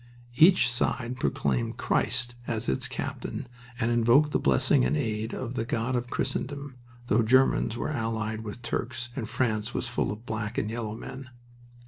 Each side proclaimed Christ as its captain and invoked the blessing and aid of the God of Christendom, though Germans were allied with Turks and France was full of black and yellow men.